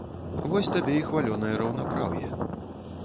Вось табе і хвалёнае раўнапраўе.